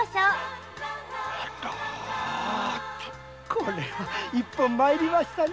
これは一本参りました。